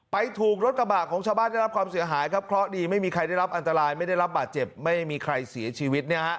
ถูกรถกระบะของชาวบ้านได้รับความเสียหายครับเคราะห์ดีไม่มีใครได้รับอันตรายไม่ได้รับบาดเจ็บไม่มีใครเสียชีวิต